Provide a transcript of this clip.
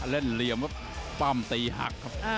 เล่นเหลี่ยมปั้มตีหักครับ